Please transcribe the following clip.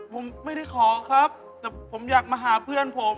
ผมไม่ได้ขอครับแต่ผมอยากมาหาเพื่อนผม